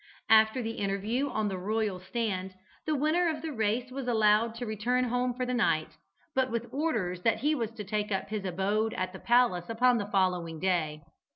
After the interview on the royal Stand, the winner of the race was allowed to return home for the night, but with orders that he was to take up his abode at the palace upon the following day.